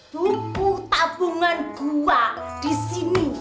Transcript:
buku tabungan gua di sini